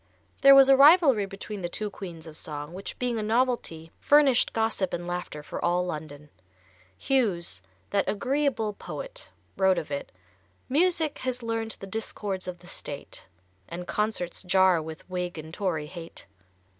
There was a rivalry between the two queens of song, which being a novelty, furnished gossip and laughter for all London. Hughes, that "agreeable poet," wrote of it: _"Music has learned the discords of the State, And concerts jar with Whig and Tory hate."